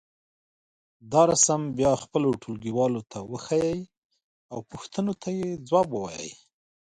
دا رسم بیا خپلو ټولګيوالو ته وښیئ او پوښتنو ته یې ځواب ووایئ.